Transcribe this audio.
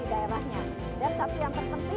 dan satu yang terpenting gratis tiket masuk